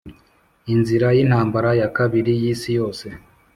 inzira y'intambara ya kabiri y'isi yose: